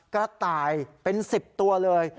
กระต่ายเป็น๑๐ตัวเลย